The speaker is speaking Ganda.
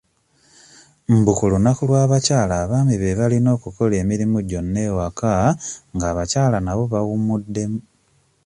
Mbu ku lunaku lw'abakyala abaami be balina okukola emirimu gyonna ewaka ng'abakyala nabo bawummuddemu.